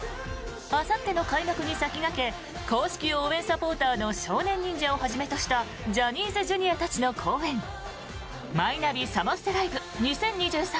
あさっての開幕に先駆け公式応援サポーターの少年忍者をはじめとしたジャニーズＪｒ．たちの公演マイナビサマステライブ２０２３